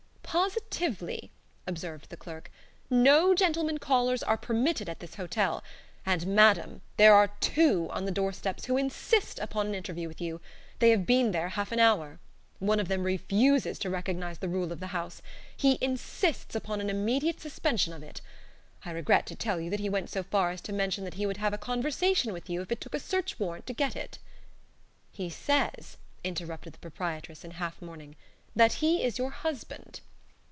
"Positively," observed the clerk, "no gentlemen callers are permitted at this hotel, and, madam, there are two on the door steps who insist upon an interview with you; they have been there half an hour. One of them refuses to recognize the rule of the house. He insists upon an immediate suspension of it. I regret to tell you that he went so far as to mention that he would have a conversation with you if it took a search warrant to get it." "He says," interrupted the proprietress in half mourning, "that he is your husband."